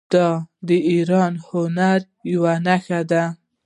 دا د ایران د هنر یوه نښه ده.